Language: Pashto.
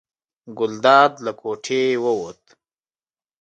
ګلداد له کوټې ووت.